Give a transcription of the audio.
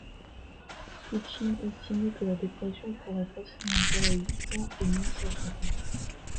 Schwinn estimait que la dépression pourrait facilement durer huit ans et même s'aggraver.